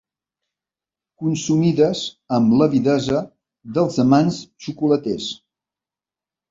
Consumides amb l'avidesa dels amants xocolaters.